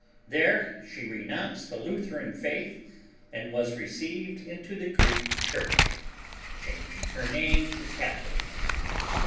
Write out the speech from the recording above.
There she renounced the Lutheran faith and was received into the Greek Church, changing her name to Catharine.